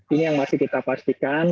ini yang masih kita pastikan